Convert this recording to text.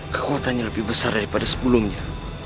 kekuatannya lebih besar daripada sebelumnya